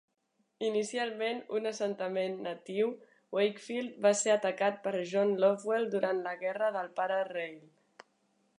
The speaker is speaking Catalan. Inicialment un assentament natiu, Wakefield va ser atacat per John Lovewell durant la Guerra del pare Rale.